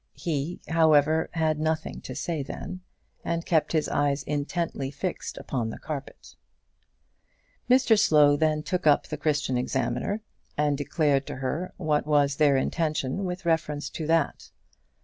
He, however, had nothing to say then, and kept his eyes intently fixed upon the carpet. Mr Slow then took up the Christian Examiner, and declared to her what was their intention with reference to that.